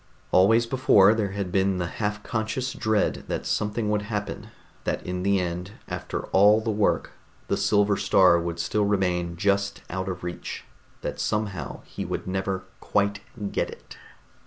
Always before there had been the half conscious dread that something would happen, that in the end, after all the work, the silver star would still remain just out of reach, that somehow he would never quite get it.